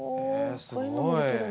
すごい。